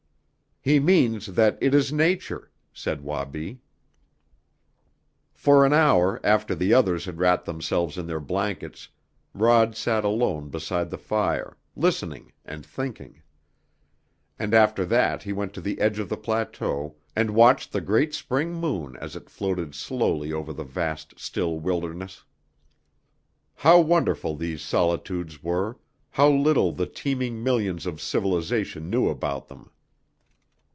"He means that it is nature," said Wabi. For an hour after the others had wrapped themselves in their blankets Rod sat alone beside the fire, listening, and thinking. And after that he went to the edge of the plateau, and watched the great spring moon as it floated slowly over the vast, still wilderness. How wonderful these solitudes were, how little the teeming millions of civilization knew about them!